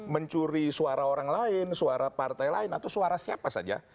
mencuri suara orang lain suara partai lain atau suara siapa saja